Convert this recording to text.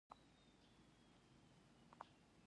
خو دا خبره یې پر ما بېله شوې نه وه.